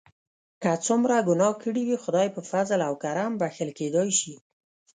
که څومره ګناه کړي وي خدای په فضل او کرم بښل کیدای شي.